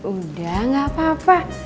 udah gak apa apa